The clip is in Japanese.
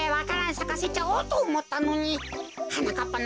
さかせちゃおうとおもったのにはなかっぱのやつ